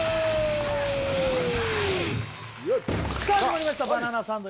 さあ始まりました「バナナサンド」